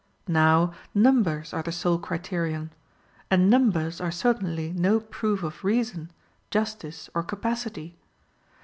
Now numbers are the sole criterion; and numbers are certainly no proof of reason, justice or capacity.